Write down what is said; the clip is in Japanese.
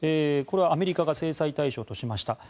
これは、アメリカが制裁対象としました。